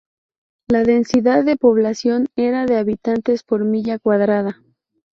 La densidad de población era de habitantes por milla cuadrada.